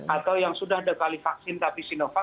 atau yang sudah ada kali vaksin tapi sinovac